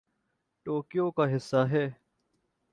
Tokyo کا حصہ ہے